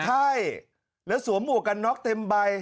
ใช่แล้วสวมหมวกกันน็อกเต็มใบ